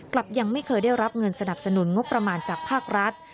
กลับยังไม่เคยได้รับเงินสนับสนุนงบประมาณจากภาครัฐ